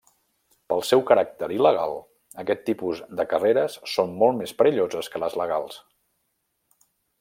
Pel seu caràcter il·legal, aquest tipus de carreres són molt més perilloses que les legals.